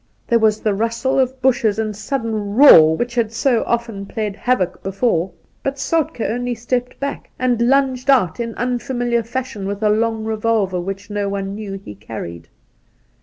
There was the rustle of bushes and sudden roar which had so often played havoc Soltke 49 before ; but Soltk^ only stepped back, and lugged put in unfamiliar fashion a long revolver wbich no one knew lie carried.